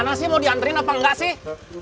gimana sih mau dianterin apa enggak sih